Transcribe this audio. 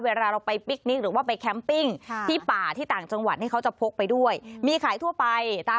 เวลาเราไปปิกนิกหรือว่าไปแคมปิ้งที่ป่าที่ต่างจังหวัด